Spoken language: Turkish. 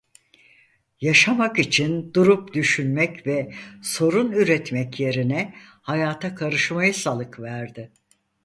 Yaşamak için durup düşünmek ve sorun üretmek yerine hayata karışmayı salık verdi.